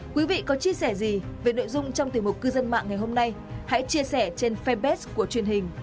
quý vị có chia sẻ gì về nội dung trong tình mục cư dân mạng ngày hôm nay hãy chia sẻ trên fanpage của truyền hình công an nhân dân